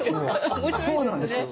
そうなんですよ。